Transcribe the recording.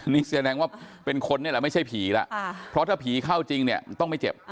นี่แสดงว่าเป็นคนนี่แหละไม่ใช่ผีแล้วเพราะถ้าผีเข้าจริงเนี่ยต้องไม่เจ็บ